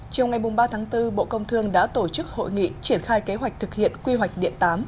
trong ngày ba tháng bốn bộ công thương đã tổ chức hội nghị triển khai kế hoạch thực hiện quy hoạch điện tám